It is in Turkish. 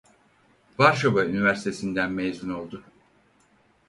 Varşova Üniversitesi'nden mezun oldu.